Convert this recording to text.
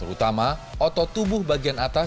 terutama otot tubuh bagian atas